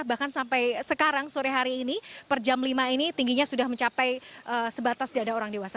bahkan sampai sekarang sore hari ini per jam lima ini tingginya sudah mencapai sebatas dada orang dewasa